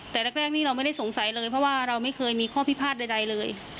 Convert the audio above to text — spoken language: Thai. แต่แรกนี่เราไม่ได้สงสัยเลยเพราะว่าเราไม่เคยมีข้อพิพาทใดเลย